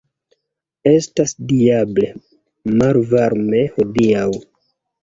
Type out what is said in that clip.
Estas diable malvarme hodiaŭ!